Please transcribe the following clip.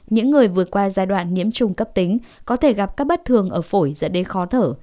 những người vượt qua giai đoạn nhiễm trùng cấp tính có thể gặp các bất thường ở phổi dẫn đến khó thở